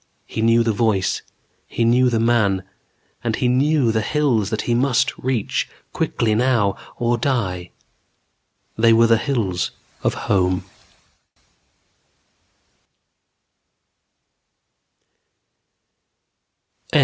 He knew the voice, he knew the man, and he knew the hills that he must reach, quickly now, or die. They were the hills of home.